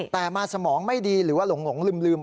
แต่มาสมองไม่ดีหรือว่าหลงลืม